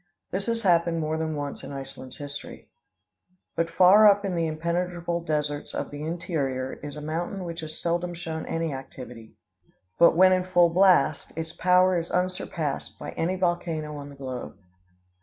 This has happened more than once in Iceland's history. But far up in the impenetrable deserts of the interior is a mountain which has seldom shown any activity; but when in full blast, its power is unsurpassed by any volcano on the globe.